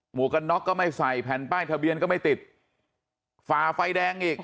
วกกันน็อกก็ไม่ใส่แผ่นป้ายทะเบียนก็ไม่ติดฝ่าไฟแดงอีก